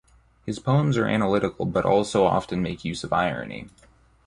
His poems are analytical but also often make use of irony.